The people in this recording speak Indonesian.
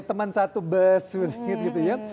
teman satu bus begitu ya